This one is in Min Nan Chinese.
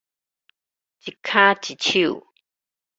一跤一手